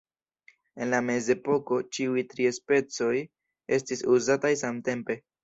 En la Mezepoko ĉiuj tri specoj estis uzataj samtempe.